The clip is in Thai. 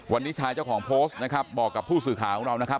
วันนี้ชายเจ้าของโพสต์นะครับบอกกับผู้สื่อข่าวของเรานะครับ